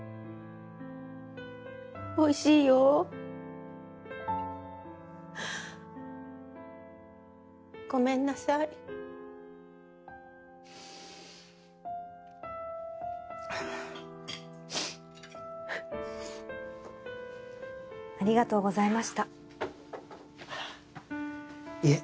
おいしいよごめんなさいありがとうございましたいえ